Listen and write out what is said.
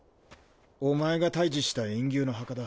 おまえが退治した炎牛の墓だ。